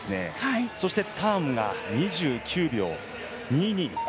そして、ターンが２９秒２２。